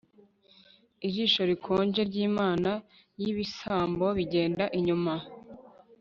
Ijisho rikonje ryimana yibisambo bigenda inyuma